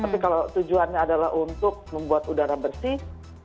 tapi kalau tujuannya adalah untuk membuat udara bersih